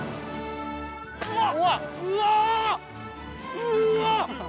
うわっ！